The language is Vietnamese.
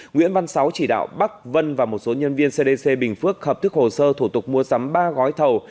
nguyễn văn sáu chỉ đạo bắc vân và một số nhân viên cdc bình phước hợp thức hồ sơ thủ tục mua sắm ba gói thầu